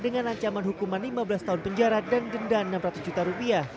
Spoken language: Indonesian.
dengan ancaman hukuman lima belas tahun penjara dan denda rp enam ratus juta rupiah